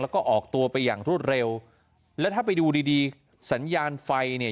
แล้วก็ออกตัวไปอย่างรวดเร็วและถ้าไปดูดีดีสัญญาณไฟเนี่ย